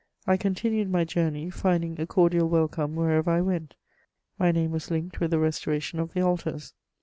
I continued my journey, finding a cordial welcome wherever I went: my name was linked with the restoration of the altars.